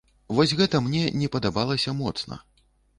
Вось гэта мне не падабалася моцна.